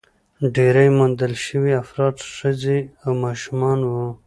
ډېری موندل شوي افراد ښځې او ماشومان وو.